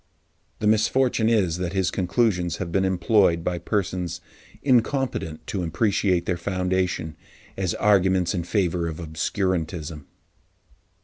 The misfortune is that his conclusions have been employed by persons incompetent to appreciate their foundation, as arguments in favour of obscurantism.